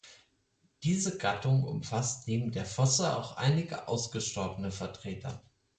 Diese Gattung umfasst neben der Fossa auch einige ausgestorbene Vertreter.